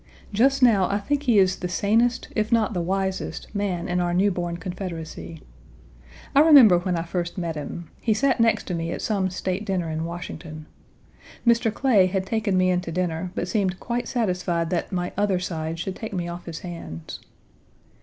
Just now I think he is the sanest, if not the wisest, man in our new born Confederacy. I remember when I first met him. He sat next to me at some state dinner in Washington. Mr. Clay had taken me in to dinner, but seemed quite satisfied that my "other side" should take me off his hands.